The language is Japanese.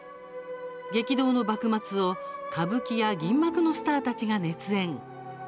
激動の幕末を歌舞伎や銀幕のスターたちが熱演。